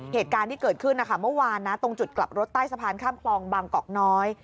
เหตุการณ์ที่เกิดขึ้นนะคะเมื่อวานนะตรงจุดกลับรถใต้สะพานข้ามคลองบางกอกน้อย